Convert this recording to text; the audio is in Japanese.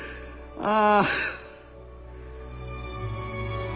ああ。